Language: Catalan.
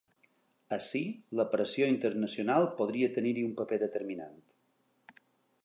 Ací la pressió internacional podria tenir-hi un paper determinant.